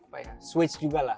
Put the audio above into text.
saya bisa switch juga lah